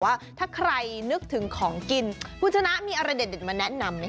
ว่าถ้าใครนึกถึงของกินคุณชนะมีอะไรเด็ดมาแนะนำไหมค